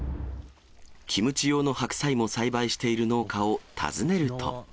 キムチ用の白菜も栽培している農家を訪ねると。